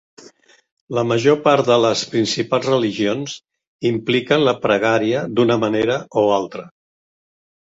La major part de les principals religions impliquen la pregària d'una manera o altra.